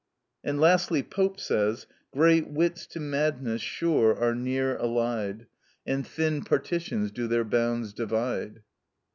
And, lastly, Pope says— "Great wits to madness sure are near allied, And thin partitions do their bounds divide."